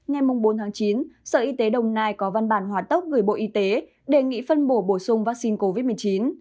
ngày bốn chín sở y tế đồng nai có văn bản hòa tốc gửi bộ y tế đề nghị phân bổ sung vaccine covid một mươi chín